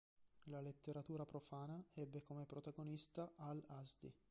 La letteratura profana ebbe come protagonista Al-azdi.